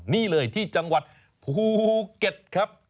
นี่เลยที่จังหวัดภูเก็ตครับ